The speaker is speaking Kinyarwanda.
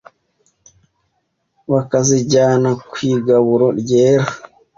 bakazijyana kw’igaburo ryera